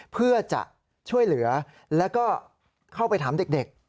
เพื่อจะช่วยเหลือแล้วก็เข้าไปถามเด็ก